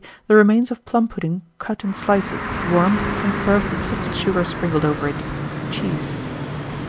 The remains of plum pudding cut in slices, warmed, and served with sifted sugar sprinkled over it. Cheese.